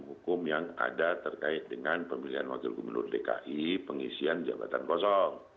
hukum yang ada terkait dengan pemilihan wakil gubernur dki pengisian jabatan kosong